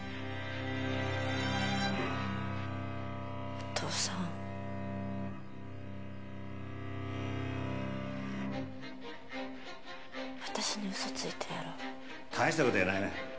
お父さん私に嘘ついたやろ大したことやないわ